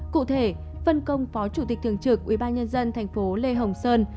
cụ thể phân công phó chủ tịch thường trực ubnd tp lê hồng sơn